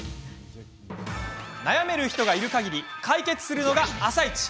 悩める人がいるかぎり解決するのが「あさイチ」。